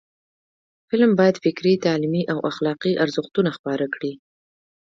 فلم باید فکري، تعلیمي او اخلاقی ارزښتونه خپاره کړي